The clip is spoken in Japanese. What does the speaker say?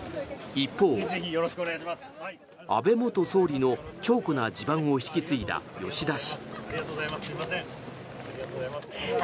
一方、安倍元総理の強固な地盤を引き継いだ吉田氏。